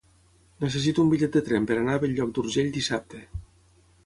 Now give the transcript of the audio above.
Necessito un bitllet de tren per anar a Bell-lloc d'Urgell dissabte.